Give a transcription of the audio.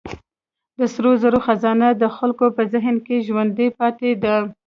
د سرو زرو خزانه د خلکو په ذهن کې ژوندۍ پاتې ده.